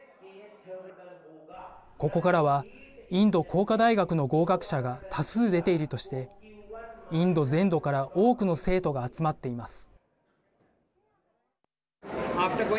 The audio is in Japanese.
ここからはインド工科大学の合格者が多数出ているとしてインド全土から多くの生徒が集まっています。